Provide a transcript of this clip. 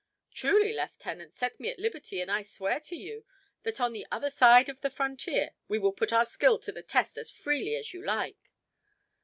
"Truly, lieutenant, set me at liberty and I swear to you that on the other side of the frontier we will put our skill to the test as freely as you like!"